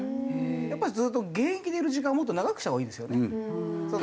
やっぱりずっと現役でいる時間をもっと長くしたほうがいいですよね。